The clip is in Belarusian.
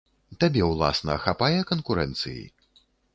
Табе, уласна, хапае канкурэнцыі?